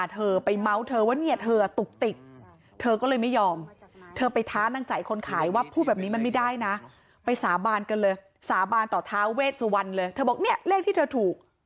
เธอก็เลยไม่ยอมเธอไปท้านางจัยคนขายว่าพูดแบบนี้มันไม่ได้นะไปสาบานกันเลยสาบานต่อท้าเวทสุวรรณเลยเธอบอกเนี้ยเลขที่เธอถูก